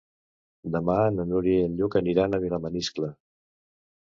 Demà na Núria i en Lluc aniran a Vilamaniscle.